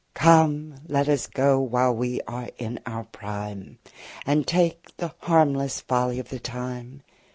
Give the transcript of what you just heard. Come, let us go, while we are in our prime, And take the harmless folly of the time!